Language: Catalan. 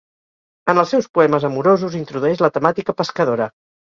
En els seus poemes amorosos introdueix la temàtica pescadora.